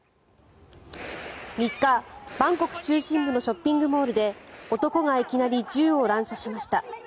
３日、バンコク中心部のショッピングモールで男がいきなり銃を乱射しました。